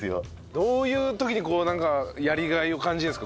どういう時にこうなんかやりがいを感じるんですか？